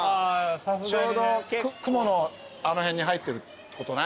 ちょうど雲のあの辺に入ってるってことね。